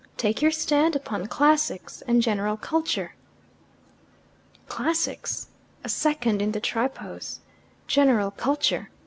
Take your stand upon classics and general culture." Classics! A second in the Tripos. General culture.